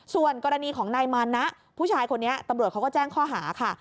ส่วนกรณีของนายมานะผู้ชายคนนี้ตำรวจเขาก็แจ้งข้อหาค่ะ